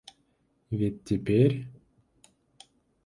Ведь теперь...